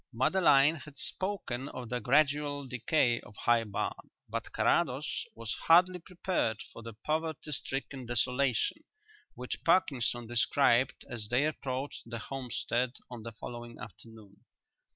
Madeline had spoken of the gradual decay of High Barn, but Carrados was hardly prepared for the poverty stricken desolation which Parkinson described as they approached the homestead on the following afternoon.